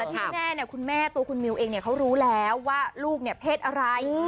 ที่แน่คุณแม่ตัวคุณมิวเองเขารู้แล้วว่าลูกเนี่ยเพศอะไร